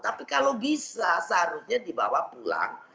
tapi kalau bisa seharusnya dibawa pulang